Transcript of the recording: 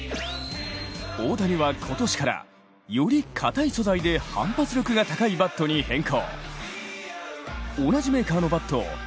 大谷は今年から、より硬い素材で反発力が高いバットに変更。